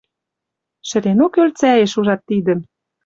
Шӹренок ӧльцӓэш ужат тидӹм